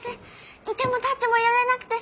居ても立ってもいられなくて。